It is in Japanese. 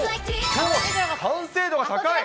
完成度が高い！